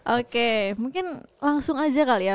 oke mungkin langsung aja kali ya